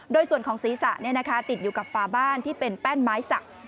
โดยส่วนของศีรษะติดอยู่กับฝาบ้านที่เป็นแป้นไม้สัก